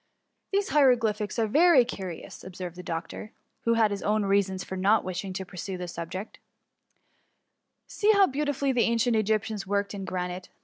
" These hieroglyphics are very curious, ob served the doctor, who had his own reasons for not wishing to pursue the subject; " see how beautifully the ancient Egyptians worked in granite.